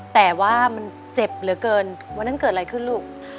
แต่ว่ามันเจ็บเหลือเกินวันนั้นเกิดอะไรขึ้นลูก